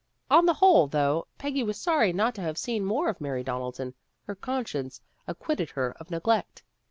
On the whole, though Peggy was sorry not to have seen more of Mary Donaldson, her conscience acquitted her of neglect.